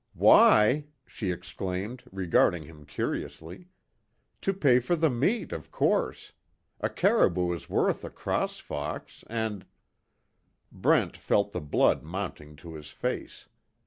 "Why!" she exclaimed, regarding him curiously, "To pay for the meat, of course. A caribou is worth a cross fox, and " Brent felt the blood mounting to his face.